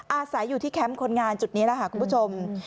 อาศัยอยู่ที่แคมป์คนงานจุดนี้แล้วค่ะคุณผู้ชม